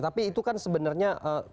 tapi itu kan sebenarnya